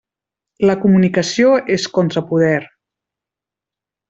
La comunicació és contrapoder.